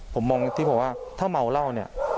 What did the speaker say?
ผมมองที่ผมว่าถ้าเมาเหล้าเนี่ย